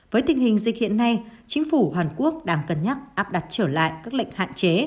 với tình hình dịch hiện nay chính phủ hàn quốc đang cân nhắc áp đặt trở lại các lệnh hạn chế